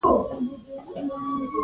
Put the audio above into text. باز خپل مشرتوب نه ورکوي